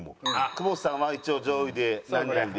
久保田さんは上位で何々で。